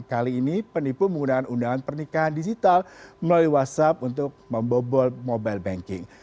kali ini penipu menggunakan undangan pernikahan digital melalui whatsapp untuk membobol mobile banking